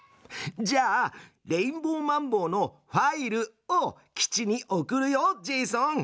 じゃあレインボーマンボウのファイルを基地に送るよジェイソン。